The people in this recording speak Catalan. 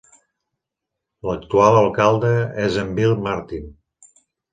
L'actual alcalde és en Bill Martin.